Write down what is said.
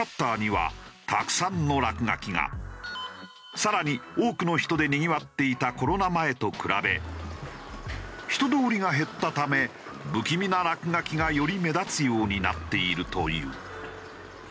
更に多くの人でにぎわっていたコロナ前と比べ人通りが減ったため不気味な落書きがより目立つようになっているという。